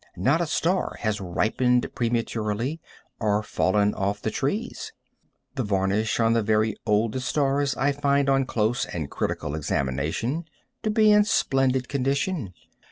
Not a star has ripened prematurely or fallen off the trees. The varnish on the very oldest stars I find on close and critical examination to be in splendid condition.